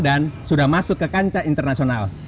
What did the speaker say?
dan sudah masuk ke kancah internasional